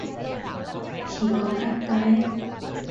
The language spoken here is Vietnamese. Chỉ còn anh và em